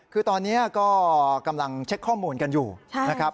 คือตอนนี้ก็กำลังเช็คข้อมูลกันอยู่นะครับ